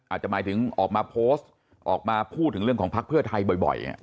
อาจจะหมายถึงออกมาโพสต์ออกมาพูดถึงเรื่องของพรรคเพื่อไทยบ่อยอย่างนี้